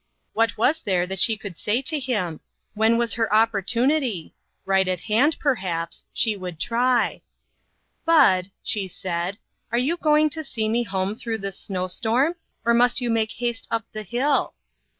What was there that she could say to him? When was her opportunity? Right at hand, perhaps ; she would try. "Bud," she said, "are you going to see me home through this snow storm ? or must you make haste up the hill?"